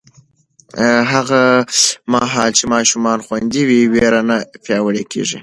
هغه مهال چې ماشومان خوندي وي، ویره نه پیاوړې کېږي.